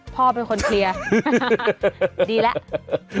พ่อเป็นคนเคลียร์ดีแล้วถูกแล้ว